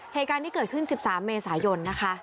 เหตุการณ์นี้เกิดขึ้น๑๓เมษายน